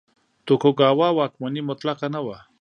توکوګاوا واکمني مطلقه نه وه.